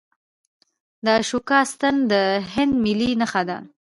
د اشوکا ستن د هند ملي نښه ده.